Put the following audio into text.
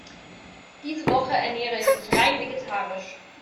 Diese Woche ernähre ich mich rein vegetarisch.